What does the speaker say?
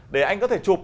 để anh có thể chụp